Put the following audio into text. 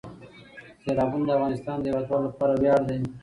سیلابونه د افغانستان د هیوادوالو لپاره ویاړ دی.